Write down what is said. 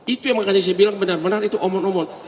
itu yang makanya saya bilang benar benar itu umur umur